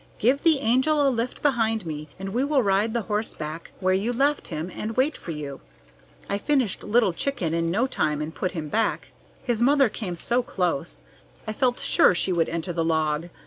"Give the Angel a lift behind me, and we will ride the horse back where you left him and wait for you. I finished Little Chicken in no time and put him back. His mother came so close, I felt sure she would enter the log.